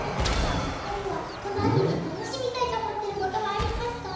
お二人はこの秋に楽しみたいと思ってることはありますか？